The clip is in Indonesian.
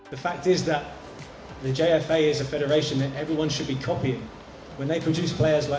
jfa adalah federasi yang harus dikopi oleh semua orang